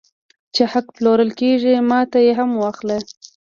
چې حق پلورل کېږي ماته یې هم واخله